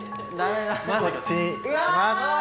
こっちにします。